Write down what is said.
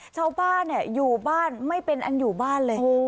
ชาวบ้านอยู่บ้านไม่เป็นอันอยู่บ้านเลย